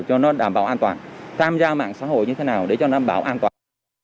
cho nó đảm bảo an toàn tham gia mạng xã hội như thế nào để cho đảm bảo an toàn